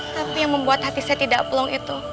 tapi yang membuat hati saya tidak plong itu